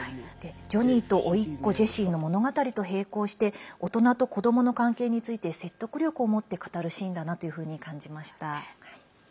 ジョニーとおいっ子・ジェシーの物語と平行して大人と子どもの関係について説得力を持って語るシーンだなというふうに感じました。